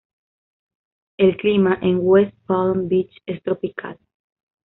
El clima en West Palm Beach es tropical.